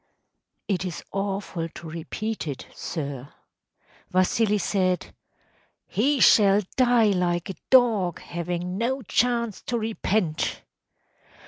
‚ÄĚ “It is awful to repeat it, sir. Vasili said, ‚ÄėHe shall die like a dog, having no chance to repent!